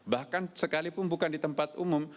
bahkan sekalipun bukan di tempat umum